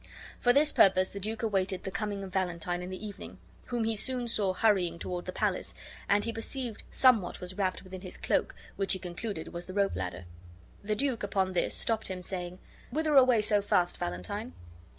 For this purpose the duke awaited the coming of Valentine in the evening, whom he soon saw hurrying toward the palace, and he perceived somewhat was wrapped within his cloak, which he concluded was the rope ladder. The duke, upon this, stopped him, saying, "Whither away so fast, Valentine?"